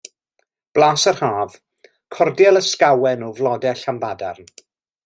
Blas yr Haf, cordial ysgawen o flodau Llanbadarn.